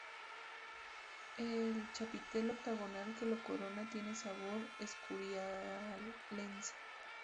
El chapitel octogonal que lo corona tiene sabor escurialense.